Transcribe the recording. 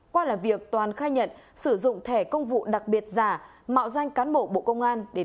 qua làm việc toàn khai nhận sử dụng thẻ công vụ đặc biệt giả mạo danh cán bộ bộ công an để